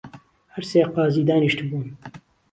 هەر سێ قازی دانیشتبوون